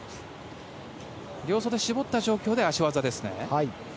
両袖絞った状況で足技ですね。